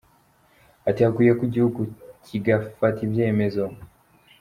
Ati “Hakwiye ko igihugu kigafata ibyemezo.